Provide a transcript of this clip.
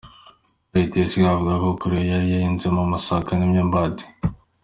Kayitesi avuga ko we yari yarahinzemo amasaka n’imyumbati.